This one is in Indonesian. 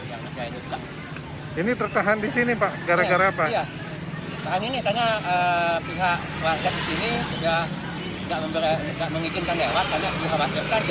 ya bahkan ini karena pihak warga disini juga